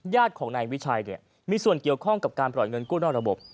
ญาติของนายวิชัยมีส่วนเกี่ยวข้องกับการปล่อยเงินกู้นอกระบบ